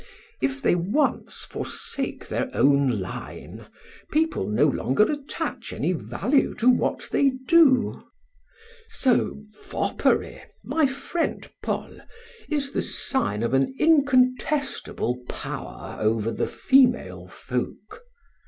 If they once forsake their own line people no longer attach any value to what they do. So, foppery, my friend Paul, is the sign of an incontestable power over the female folk.